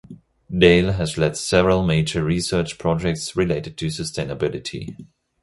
Dale has led several major research projects related to sustainability.